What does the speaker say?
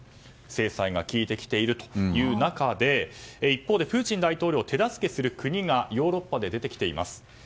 制裁が効いてきているという中で一方で、プーチン大統領を手助けする国がヨーロッパで出てきています。